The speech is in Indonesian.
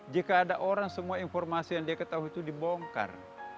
jika ada orang semua informasi yang dia ketahui itu dibongkar